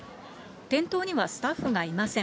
店頭にはスタッフがいません。